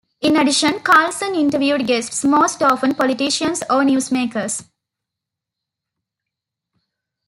In addition, Carlson interviewed guests, most often politicians or newsmakers.